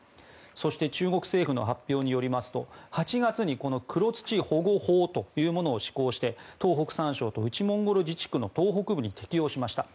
そして中国政府の発表によりますと８月に黒土保護法というものを施行して東北３省と内モンゴル自治区の東北部に適用しました。